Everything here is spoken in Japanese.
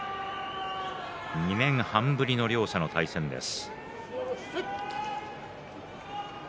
２年半ぶりの両者の対戦です。